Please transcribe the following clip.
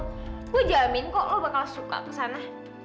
aku jamin kok lo bakal suka ke sana